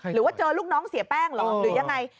หรือว่าเจอลูกน้องเสียแป้งเหรอหรือยังไง